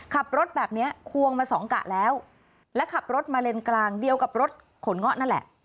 ขับรถแบบเนี้ยควงมาสองกะแล้วและขับรถมาเลนกลางเดียวกับรถขนเงาะนั่นแหละ